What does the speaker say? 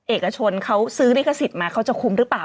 เอกชนเขาซื้อลิขสิทธิ์มาเขาจะคุ้มหรือเปล่า